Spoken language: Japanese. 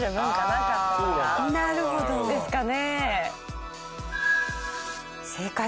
なるほど。ですかね？